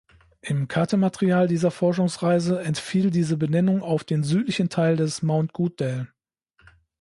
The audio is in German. Im Kartenmaterial dieser Forschungsreise entfiel diese Benennung auf den südlichen Teil des Mount Goodale.